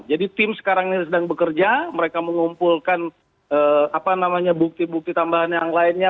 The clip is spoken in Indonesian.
jadi tim sekarang ini sedang bekerja mereka mengumpulkan bukti bukti tambahan yang lainnya